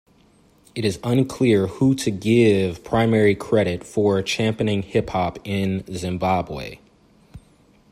It is unclear who to give primary credit for championing hip hop in Zimbabwe.